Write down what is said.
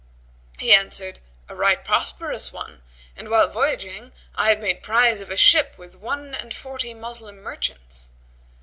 He answered, "A right prosperous one, and while voyaging I have made prize of a ship with one and forty Moslem merchants."